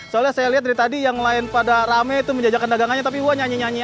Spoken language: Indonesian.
soalnya saya lihat dari tadi yang lain pada rame itu menjajakan dagangannya tapi wah nyanyi nyanyi